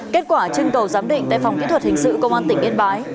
kết quả trưng cầu giám định tại phòng kỹ thuật hình sự công an tỉnh yên bái